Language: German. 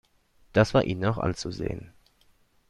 Das war ihnen auch anzusehen.